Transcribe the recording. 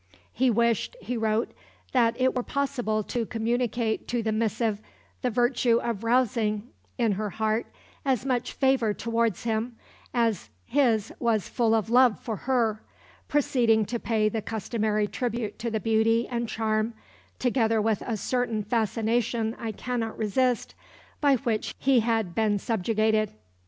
He wished, he wrote, that it were possible to communicate to the missive the virtue of rousing in her heart as much favour towards him as his was full of love for her, proceeding to pay the customary tribute to the beauty and charm, together with "a certain fascination I cannot resist," by which he had been subjugated.